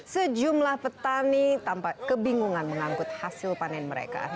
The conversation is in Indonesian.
sejumlah petani tampak kebingungan mengangkut hasil panen mereka